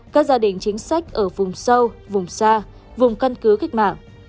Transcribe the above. các gia đình chính sách ở vùng sâu vùng xa vùng căn cứ cách mạng